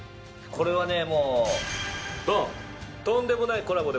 これはねもうドンとんでもないコラボ！！